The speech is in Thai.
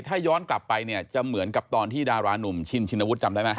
ถ้าย้อนกลับไปเนี่ยจะเหมือนกับตอนที่ดารานุ่มชินชินวุฒิจำได้ไหม